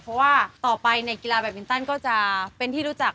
เพราะว่าต่อไปในกีฬาแบบมินตันก็จะเป็นที่รู้จัก